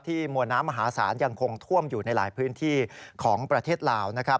มวลน้ำมหาศาลยังคงท่วมอยู่ในหลายพื้นที่ของประเทศลาวนะครับ